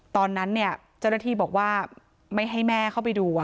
ตอนนั้นเนี่ยเจ้าหน้าที่บอกว่าไม่ให้แม่เข้าไปดู